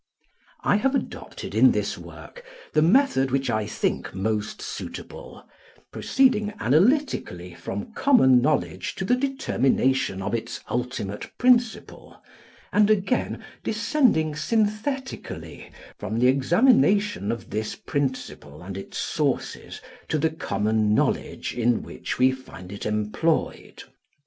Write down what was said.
I have adopted in this work the method which I think most suitable, proceeding analytically from common knowledge to the determination of its ultimate principle, and again descending synthetically from the examination of this principle and its sources to the common knowledge in which we find it employed.